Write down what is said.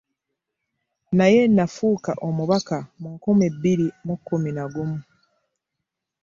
Naye n'afuuka omubaka mu nkumi bbiri mu kkumi na gumu